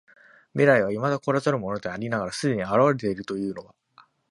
未来は未だ来らざるものでありながら既に現れているというのは、